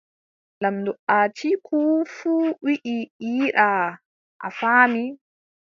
Lamɗo Atiiku fuu wii yiɗaa. a faami.